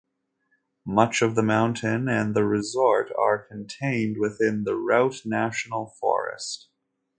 Much of the mountain and the resort are contained within the Routt National Forest.